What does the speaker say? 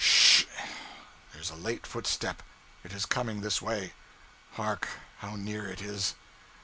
Sh ! there's a late footstep. It is coming this way. Hark, how near it is!